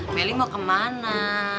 meli mau kemana